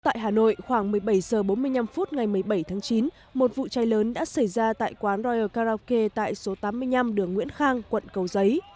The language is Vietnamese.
tại hà nội khoảng một mươi bảy h bốn mươi năm phút ngày một mươi bảy tháng chín một vụ cháy lớn đã xảy ra tại quán rya karaoke tại số tám mươi năm đường nguyễn khang quận cầu giấy